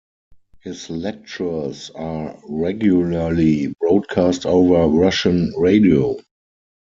His lectures are regularly broadcast over Russian radio.